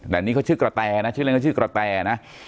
แต่นี่เขาชื่อกระแตนะชื่อเล่นเขาชื่อกระแตนะ